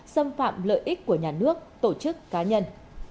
xâm phạm lợi ích của nhà nước tổ chức cá nhân